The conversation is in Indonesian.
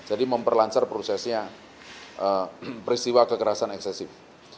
jadi memperlancar prosesnya peristiwa kekerasan eksesif